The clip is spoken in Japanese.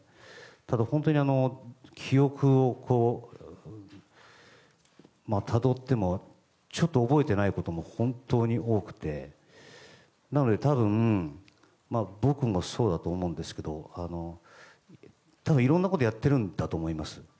ただ、本当に記憶をたどってもちょっと覚えてないことも本当に多くてなので僕もそうだと思うんですけどいろんなことやってるんだと思います。